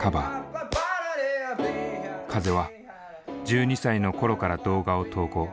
風は１２歳の頃から動画を投稿。